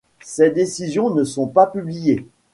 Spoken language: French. Ses décisions ne sont pas publiées.